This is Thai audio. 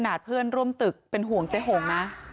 น้องเค๊น้องเค๊กินข้าวหรือยังคะ